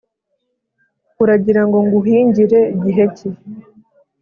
Uragira ngo nguhingire gihe ki ?